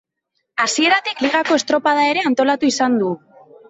Hasieratik Ligako estropada ere antolatu izan du.